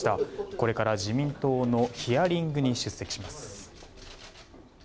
これから自民党のヒアリングに出席します。